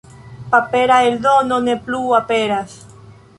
Papera eldono ne plu aperas.